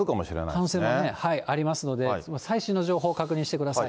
可能性もありますので、最新の情報を確認してください。